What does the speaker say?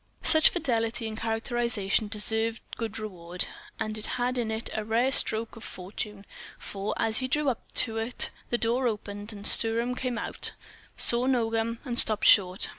Such fidelity in characterization deserved good reward, and had in it a rare stroke of fortune; for as he drew up to it, the door opened, and Sturm came out, saw Nogam, and stopped short.